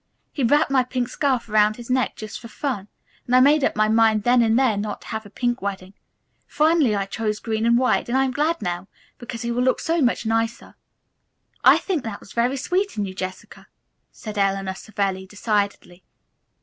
He wrapped my pink scarf around his neck just for fun, and I made up my mind then and there not to have a pink wedding. Finally, I chose green and white, and I'm glad now, because he will look so much nicer." "I think that was very sweet in you, Jessica," said Eleanor Savelli decidedly.